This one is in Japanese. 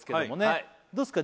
はいどうですか？